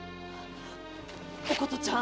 お琴ちゃん。